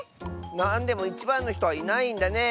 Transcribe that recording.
なんでもいちばんのひとはいないんだね。